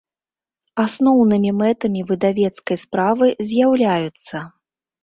Асноўнымi мэтамi выдавецкай справы з’яўляюцца.